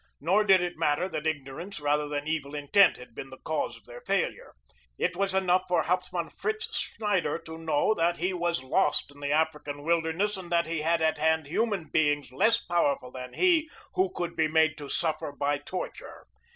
Nor did it matter that ignorance rather than evil intent had been the cause of their failure. It was enough for Hauptmann Fritz Schneider to know that he was lost in the African wilderness and that he had at hand human beings less powerful than he who could be made to suffer by torture.